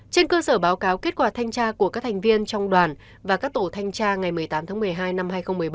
trên cơ sở báo cáo kết quả thanh tra của các thành viên trong đoàn và các tổ thanh tra ngày một mươi tám tháng một mươi hai năm hai nghìn một mươi bảy